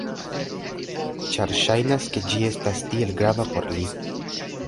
Ĉar ŝajnas ke ĝi estas tiel grava por li.